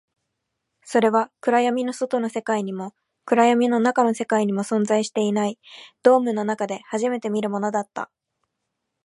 それは暗闇の外の世界にも、暗闇の中の世界にも存在していない、ドームの中で初めて見るものだった